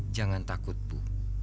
jangan takut bu